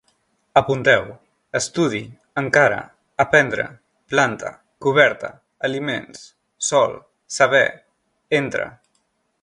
Apunteu: estudi, encara, aprendre, planta, coberta, aliments, sol, saber, entre